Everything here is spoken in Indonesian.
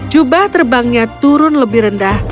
jubah terbangnya turun lebih rendah